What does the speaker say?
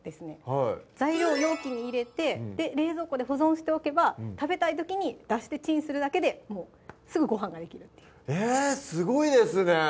はい材料容器に入れて冷蔵庫で保存しておけば食べたい時に出してチンするだけでもうすぐごはんができるっていうえっすごいですね！